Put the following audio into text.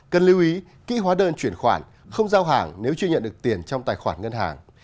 cần lưu ý kỹ hóa đơn chuyển khoản không giao hàng nếu chưa nhận được tiền trong tài khoản ngân hàng